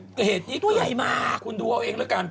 เกิดเหตุนี้ผู้ใหญ่มาคุณดูเอาเองแล้วกัน